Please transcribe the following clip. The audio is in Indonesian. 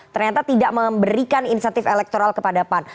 ternyata tidak memberikan insentif elektoral kepada pan